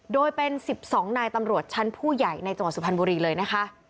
โดยเป็น๑๒นายตำรวจชั้นผู้ใหญ่ในจังหวัดสุพรรณบุรีเลยนะคะ